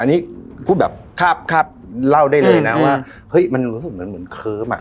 อันนี้พูดแบบครับเล่าได้เลยนะว่าเฮ้ยมันรู้สึกเหมือนเคิ้มอ่ะ